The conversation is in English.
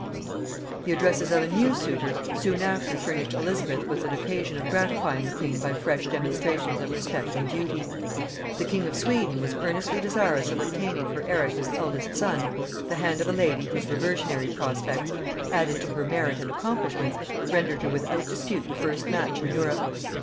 The addresses of a new suitor soon after furnished Elizabeth with an occasion of gratifying the queen by fresh demonstrations of respect and duty. The king of Sweden was earnestly desirous of obtaining for Eric his eldest son the hand of a lady whose reversionary prospects, added to her merit and accomplishments, rendered her without dispute the first match in Europe.